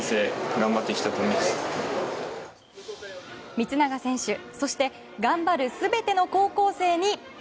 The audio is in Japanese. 光永選手そして頑張る全ての高校生に。